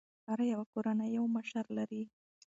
هره يوه کورنۍ یو مشر لري.